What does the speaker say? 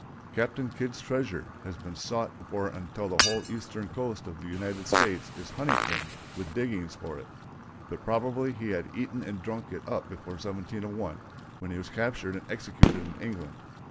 "Captain Kidd's treasure" has been sought for until the whole eastern coast of the United States is honeycombed with diggings for it; but probably he had eaten and drunk it up before 1701, when he was captured and executed in England.